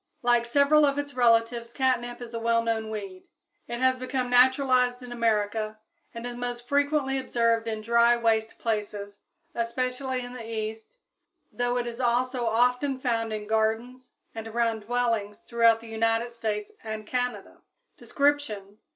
Like several of its relatives catnip is a well known weed. It has become naturalized in America, and is most frequently observed in dry, waste places, especially in the East, though it is also often found in gardens and around dwellings throughout the United States and Canada. _Description.